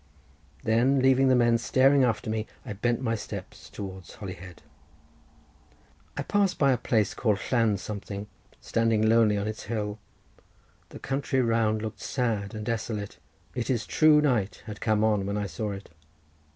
Then leaving the men staring after me, I bent my steps towards Holyhead. I passed by a place called Llan something, standing lonely on its hill. The country around looked sad and desolate. It is true night had come on when I saw it.